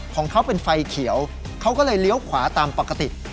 ของเขาเป็นไฟเขียวเขาก็เลยเลี้ยวขวาตามปกติ